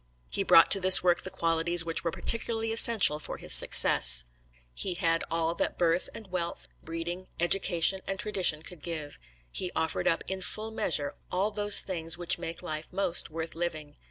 He brought to this work the qualities which were particularly essential for his success. He had all that birth and wealth, breeding, education, and tradition could give. He offered up, in full measure, all those things which make life most worth living.